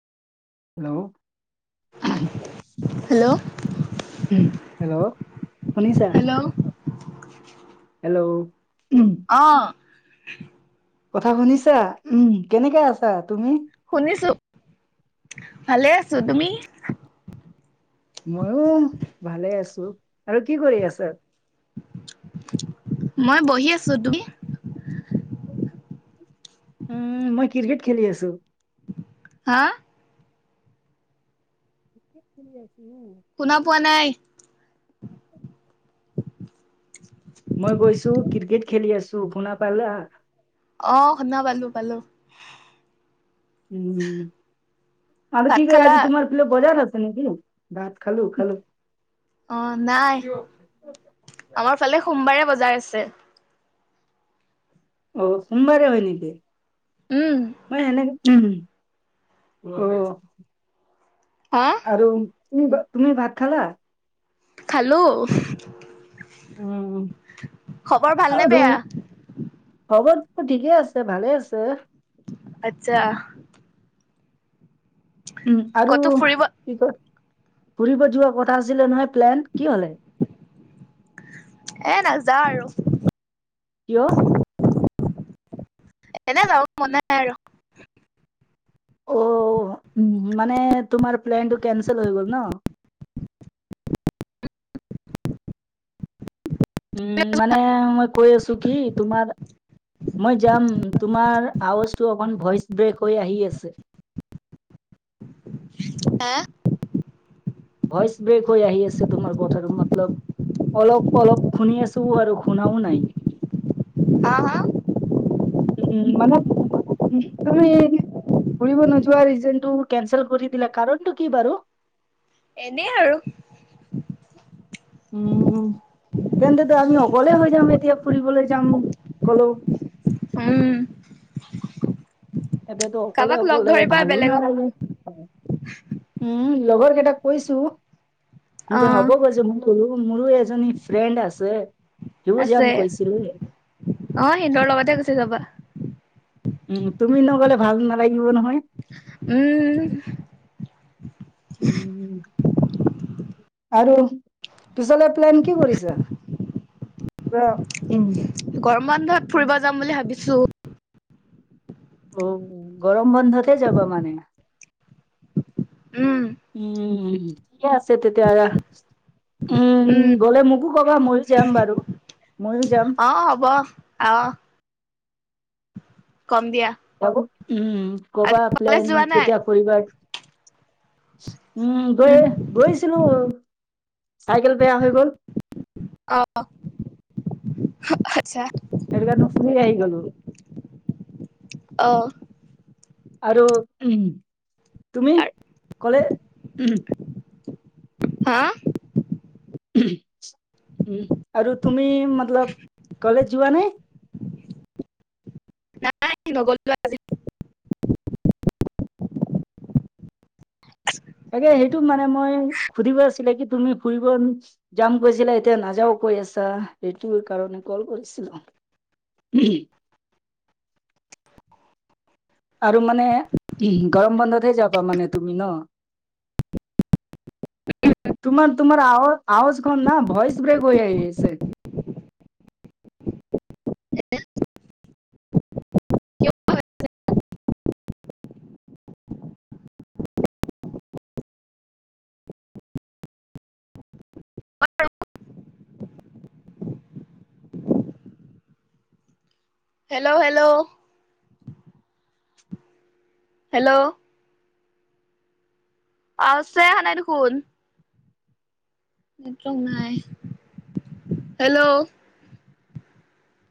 Hello, hello উম, hello শুনিছা? Hello, hello, উম, অ', কথা শুনিছা? উম, কেনেকে আছা তুমি? শুনিছো, ভালে আছো, তুমি? ময়ো ভালে আছো আৰু কি কৰি আছে? মই বহি আছো, তুমি? উম, মই ক্ৰিকেট খেলি আছো। হা? [unintelligible] শুনা পোৱা নাই। [inaudible] মই গৈছো ক্ৰিকেট খেলি আছো, শুনা পালা? অ', শুনা পালো পালো। উম, আৰু ভাত কি কৰি খালা আজি তোমাৰ পিলে বজাৰ আছে নেকি? ভাত খালো, খালো। অ নাই [unintelligible] আমাৰ ফালে সোমবাৰে বজাৰ আছে। অ', সোমবাৰে হয় নেকি? উম মই সেনেকে উম', অ,। হা? আৰু তুমি, তুমি ভাত খালা? খালো। উম, খবৰ ভালনে আৰু বেয়া খবৰ ঠিকে আছে, ভালে আছে। আচ্ছা। উম, আৰু ক'তো ফুৰিব কি কয়, ফুৰিব যোৱা কথা আছিলে নহয় প্লেন কি হলে? এ, নাযাওঁ আৰু। কিয়? [unintelligible] এনে যাব মন নাই। আৰু অ' উম, মানে তোমাৰ প্লেনটো কেনচেল হৈ গ'ল ন? [inaudible] উম, মানে মই কৈ আছোঁ কি, তোমাৰ মই যাম, তোমাৰ আৱজটো অকণ ভইচ ব্ৰেক হৈ আহি আছে। এ। ভইচ ব্ৰেক হৈ আহি আছে তোমাৰ কথাটো মতলব অলপ অলপ শুনি আছোঁ আৰু শুনাও নাই। অ' হা? উম, মানে [unintelligible] তুমি ফুৰিব নোযোৱা ৰিজনটো কেনচেল কৰি দিলে কাৰণটো কি বাৰু? এনে আৰু। উম উম, তেন্তেটো আমি অকলে হৈ যাম এতিয়া ফুৰিবলৈ যাম ক'লো। উম। এতেতো অকলে কাৰোবাক লগ অকলে ধৰিবা ভালো বেলেগক নালাগে। উম, লগৰ কেইটাক কৈছোঁ, অ তেন্তে হ'ব কৈছে মো উম, মোৰো এজনী ফ্ৰেণ্ড আছে, সিও যাম আছে কৈছিল। অ' সিন্দৰ লগতে গুচি যাবা। উম, তুমি নগ'লে ভাল নালাগিব নহয়। উম। উম। আৰু পিচলে প্লেন কি কৰিছা? [unintelligible] গৰমবন্ধত ফুৰিব যাম বুলি ভাবিছোঁ। উম, গৰম বন্ধতে যাবা মানে। উম। উম, ঠিকে আছে তেতিয়া হ'লে উম, গ'লে মোকো কবা ময়ো যাম বাৰু, ময়ো যাম। অ', হ'ব অ'। কম দিয়া। আকৌ উম, ক'বা আজি কলেজ প্লেন যোৱা নাই কেতিয়া কৰিবা। উম, গৈ, গৈছিলো চাইকেল বেয়া হৈ গ'ল। অ', আচ্ছা। এৰিগানন ফুৰি আহি গলোঁ। অ'। আৰু উ তুমি কলে হা। উ আৰু তুমি মতলব কলেজ যোৱা নাই? নাই নগ'লো আৰু [inaudible] তাকে সেইটো মানে মই সুধিব আছিলে কি, তুমি ফুৰিব যাম কৈছিলা এতিয়া নাযাওঁ কৈ আছা সেইটো কাৰণে কল কৰিছিলোঁ। [unintelligible] আৰু মানে উ গৰম বন্ধতহে যাবা মানে তুমি ন? [unintelligible] তোমাৰ তোমাৰ আ আৱাজখন না ভইচ ব্ৰেক হৈ আহি আছে। [unintelligible] Hello, hello, hello? আউছে আহা নাই দেখোন। নেটৱৰ্ক নাই, হেলো?